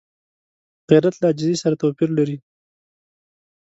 غیرت له عاجزۍ سره توپیر لري